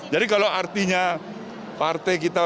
jadi kalau artinya partai kita